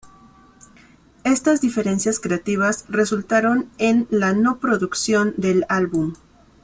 Estas diferencias creativas resultaron en la no producción del álbum.